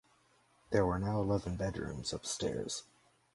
There were now eleven bedrooms upstairs.